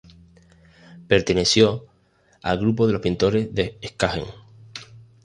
Perteneció al grupo de los pintores de Skagen.